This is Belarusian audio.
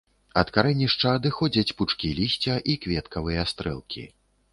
Ад карэнішча адыходзяць пучкі лісця і кветкавыя стрэлкі.